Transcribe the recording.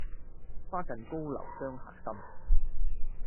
花近高樓傷客心，